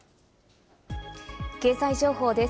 経済情報です。